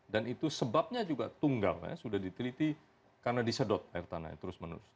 dan itu sebabnya juga tunggal ya sudah diteliti karena disedot air tanahnya terus menerus